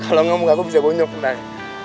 kalau gak mau gak aku bisa bonyol sebentar